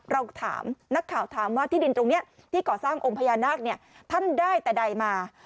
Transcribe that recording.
เราถามนักข่าวถามว่าที่ดินตรงนี้ที่ก่อสร้างองค์พญานาคเนี่ยท่านได้แต่ใดมา